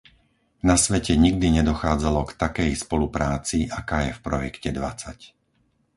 Na svete nikdy nedochádzalo k takej spolupráci, aká je v projekte dvadsať.